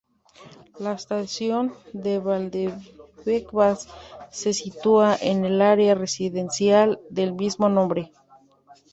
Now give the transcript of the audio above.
La estación de Valdebebas se sitúa en el área residencial del mismo nombre.